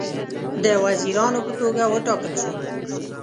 د وزیرانو په توګه وټاکل شول.